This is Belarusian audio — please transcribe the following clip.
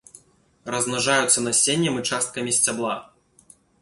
Размнажаюцца насеннем і часткамі сцябла.